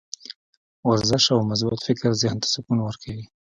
ورزش او مثبت فکر ذهن ته سکون ورکوي.